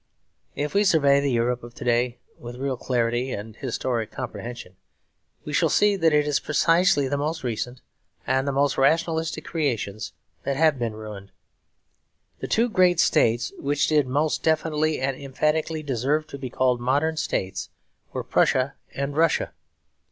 If we survey the Europe of to day with real clarity and historic comprehension, we shall see that it is precisely the most recent and the most rationalistic creations that have been ruined. The two great States which did most definitely and emphatically deserve to be called modern states were Prussia and Russia.